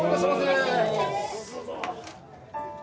どうぞ。